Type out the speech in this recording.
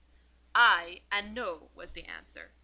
"Ay, and No," was the answer.